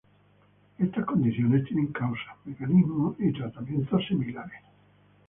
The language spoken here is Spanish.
Estas condiciones tienen causas, mecanismos, y tratamientos similares.